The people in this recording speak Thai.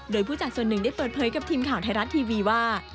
โดยผู้จัดส่วนหนึ่งได้เปิดเผยกับทีมข่าวไทยรัฐทีวีว่า